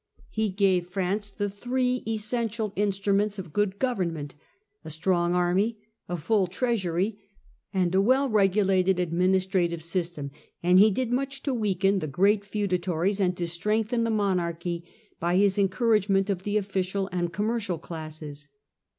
He gave France the three PHILIP AUGUSTUS, LOUIS VIII., AND ST LOUIS 193 essential instruments of good government, a strong army, a full treasury and a well regulated administrative system, and he did much to weaken the great feudatories and to strengthen the monarchy by his encouragement of the official and commercial classes.